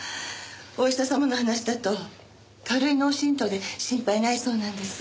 お医者様の話だと軽い脳震盪で心配ないそうなんです。